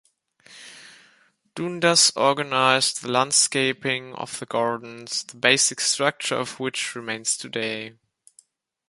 Dundas organised the landscaping of the gardens, the basic structure of which remains today.